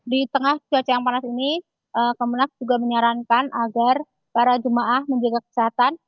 di tengah cuaca yang panas ini kemenang juga menyarankan agar para jemaah menjaga kesehatan